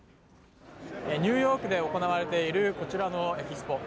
ニューヨークで行われているこちらのエキスポ。